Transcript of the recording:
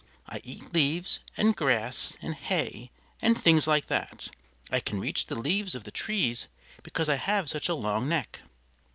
I eat leaves and grass and hay and things like that; I can reach the leaves of the trees because I have such a long neck.